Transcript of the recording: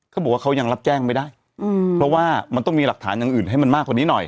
เขาบอกว่าเขายังรับแจ้งไม่ได้เพราะว่ามันต้องมีหลักฐานอย่างอื่นให้มันมากกว่านี้หน่อย